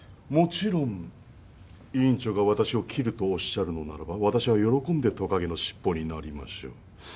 もちろん医院長が私を切るとおっしゃるのならば私は喜んでとかげの尻尾になりましょう。